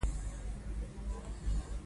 د میرمنو کار د کار مهارتونو زدکړه کوي.